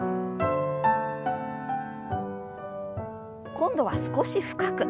今度は少し深く。